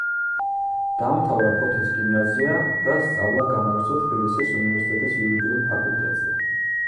დაამთავრა ფოთის გიმნაზია და სწავლა განაგრძო თბილისის უნივერსიტეტის იურიდიულ ფაკულტეტზე.